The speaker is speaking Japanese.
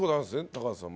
高畑さん。